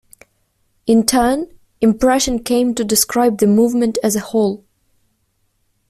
In turn, impression came to describe the movement as a whole.